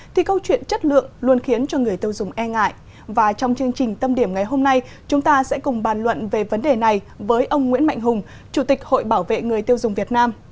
trong chương trình tâm điểm ngày hôm nay chúng ta sẽ cùng bàn luận về vấn đề này với ông nguyễn mạnh hùng chủ tịch hội bảo vệ người tiêu dùng việt nam